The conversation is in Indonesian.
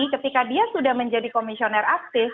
ketika dia sudah menjadi komisioner aktif